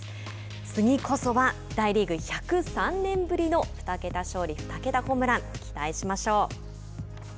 次こそは大リーグ１０３年ぶりの２桁勝利２桁ホームラン期待しましょう。